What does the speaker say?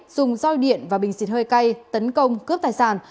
dùng roi điện và bình xịt hơi cay tấn công cướp tài sản